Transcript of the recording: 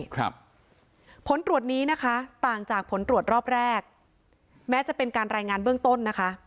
ครับผลตรวจนี้นะคะต่างจากผลตรวจรอบแรกแม้จะเป็นการรายงานเบื้องต้นนะคะ